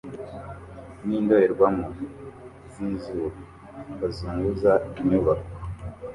nindorerwamo zizuba bazunguza inyubako